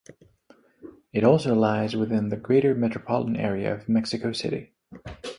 It also lies within the greater metropolitan area of Mexico City.